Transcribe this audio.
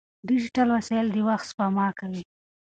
ډیجیټل وسایل د وخت سپما کوي.